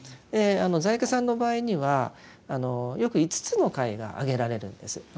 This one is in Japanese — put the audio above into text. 在家さんの場合にはよく５つの戒が挙げられるんです。